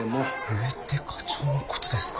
「上」って課長のことですか。